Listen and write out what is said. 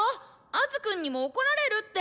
アズくんにも怒られるって！